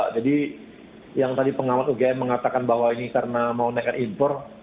jadi yang tadi pengawat ugm mengatakan bahwa ini karena mau naikkan impor